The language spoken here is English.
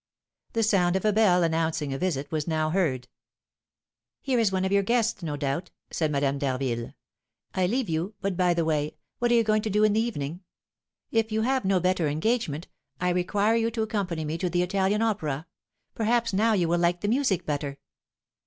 The sound of a bell, announcing a visit, was now heard. "Here is one of your guests, no doubt," said Madame d'Harville. "I leave you; but, by the way, what are you going to do in the evening? If you have no better engagement, I require you to accompany me to the Italian Opera; perhaps now you will like the music better."